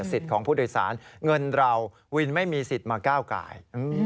ของผู้โดยสารเงินเราวินไม่มีสิทธิ์มาก้าวกาย